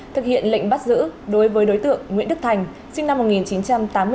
thực hiện lệnh bắt giữ đối với đối tượng nguyễn đức thành sinh năm một nghìn chín trăm tám mươi bốn